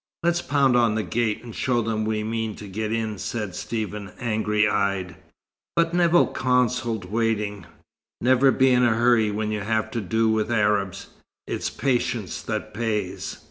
"Let's pound on the gate, and show them we mean to get in," said Stephen, angry eyed. But Nevill counselled waiting. "Never be in a hurry when you have to do with Arabs. It's patience that pays."